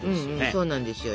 そうなんですよ。